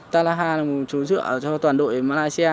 talaha là một chú dựa cho toàn đội malaysia